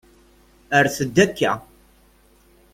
Rret-d akka.